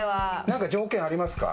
何か条件ありますか？